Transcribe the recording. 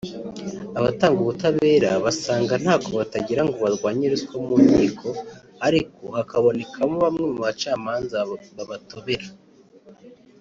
Abatanga ubutabera basanga ntako batagira ngo barwanye ruswa mu nkiko ariko hakabonekamo bamwe mu bacamanza babatobera